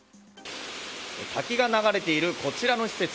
滝が流れているこちらの施設。